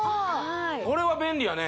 これは便利やね